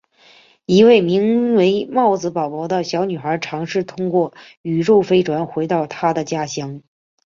一位名为帽子宝宝的小女孩尝试通过宇宙飞船回到她的家乡。